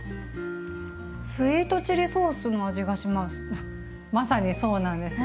スイートチリソースの味がします。